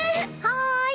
はい。